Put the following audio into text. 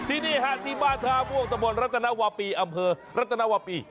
ที่นี่ฮะที่บ้านท่าม่วงตะบนรัตนวาปีอำเภอรัตนวาปี